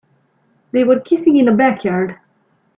They were kissing in the backyard.